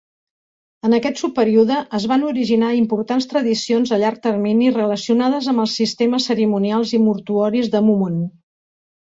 En aquest subperíode es van originar importants tradicions a llarg termini relacionades amb els sistemes cerimonials i mortuoris de Mumun.